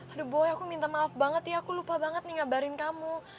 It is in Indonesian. aduh boy aku minta maaf banget ya aku lupa banget nih ngabarin kamu